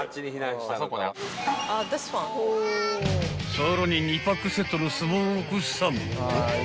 ［さらに２パックセットのスモークサーモンと］